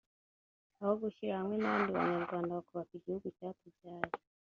aho gushyira hamwe n’abandi banyarwanda bakubaka igihugu cyatubyaye